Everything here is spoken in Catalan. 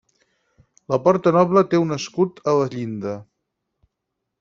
La porta noble té un escut a la llinda.